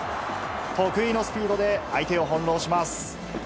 得意のスピードで相手を翻弄します。